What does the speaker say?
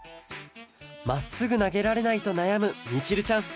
まっすぐなげられないとなやむみちるちゃん！